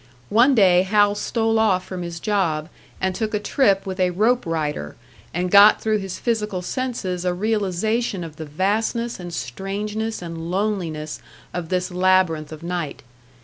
One day Hal stole off from his job, and took a trip with a "rope rider," and got through his physical senses a realisation of the vastness and strangeness and loneliness of this labyrinth of night.